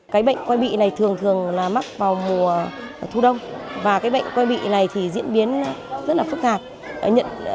cái bệnh quai bị này thường thường là mắc vào mùa thu đông và cái bệnh quai bị này thì diễn biến rất là phức hạt